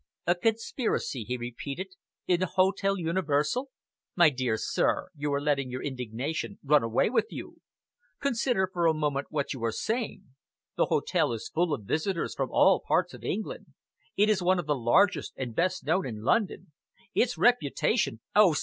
"A conspiracy," he repeated, "in the Hotel Universal. My dear sir, you are letting your indignation run away with you! Consider for a moment what you are saying. The hotel is full of visitors from all parts of England. It is one of the largest and best known in London. Its reputation " "Oh!